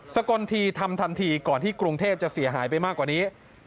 กลทีทำทันทีก่อนที่กรุงเทพจะเสียหายไปมากกว่านี้